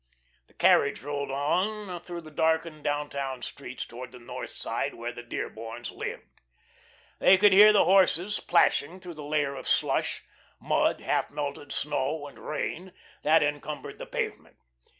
The carriage rolled on through the darkened downtown streets, towards the North Side, where the Dearborns lived. They could hear the horses plashing through the layer of slush mud, half melted snow and rain that encumbered the pavement.